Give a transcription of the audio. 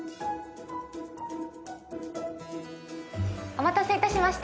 お待たせいたしました。